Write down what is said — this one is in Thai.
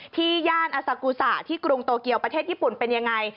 ย่านอซากูสะที่กรุงโตเกียวประเทศญี่ปุ่นเป็นยังไง